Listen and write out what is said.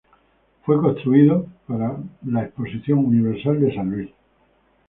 Fue construido para la Exposición Universal de San Luis.